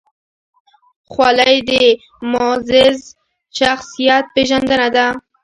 خولۍ د معزز شخصیت پېژندنه ده.